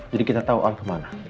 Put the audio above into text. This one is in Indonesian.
jadi kita tahu al ke mana